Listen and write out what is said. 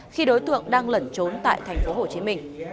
khi đối tượng đang lẩn trốn tại tp hcm